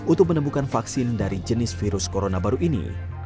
untuk menemukan vaksin dari jenis virus corona baru ini